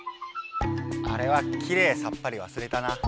あれはきれいさっぱりわすれたな。